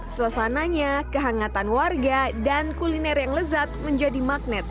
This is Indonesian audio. suasananya kehangatan warga dan kuliner yang lezat menjadi magnet